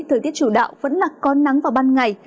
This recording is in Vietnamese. thời tiết chủ đạo vẫn là có nắng vào ban ngày